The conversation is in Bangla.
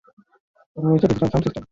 রয়েছে ডিজিটাল সাউন্ড সিস্টেম।